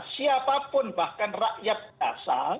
siapapun bahkan rakyat dasar